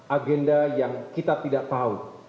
agenda yang kita tidak tahu